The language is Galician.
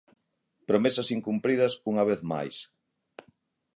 Promesas incumpridas unha vez máis.